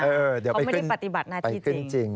เขาไม่ได้ปฏิบัติหน้าที่จริง